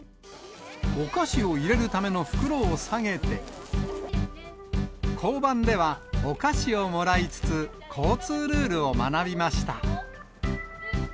お菓子を入れるための袋をさげて、交番では、お菓子をもらいつつ、交通ルールを学びました。